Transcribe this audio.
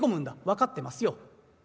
「分かってますよ」。